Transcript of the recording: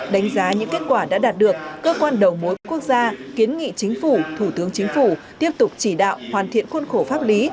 đánh giá những kết quả đã đạt được cơ quan đầu mối quốc gia kiến nghị chính phủ thủ tướng chính phủ tiếp tục chỉ đạo hoàn thiện khuôn khổ pháp lý